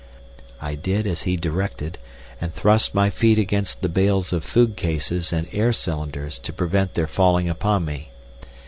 I did as he directed, and thrust my feet against the bales of food cases and air cylinders to prevent their falling upon me.